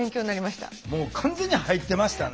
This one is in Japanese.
もう完全に入ってましたね。